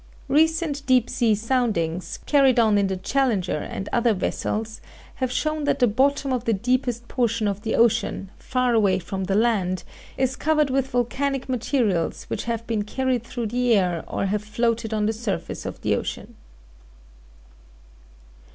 Recent deep sea soundings, carried on in the Challenger and other vessels, have shown that the bottom of the deepest portion of the ocean, far away from the land, is covered with volcanic materials which have been carried through the air or have floated on the surface of the ocean.